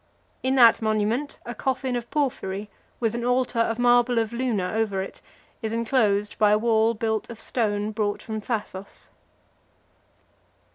In that monument, a coffin of porphyry, with an altar of marble of Luna over it, is enclosed by a wall built of stone brought from Thasos.